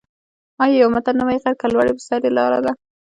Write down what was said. آیا یو متل نه وايي: غر که لوړ دی په سر یې لاره ده؟